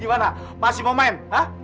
gimana pasti mau main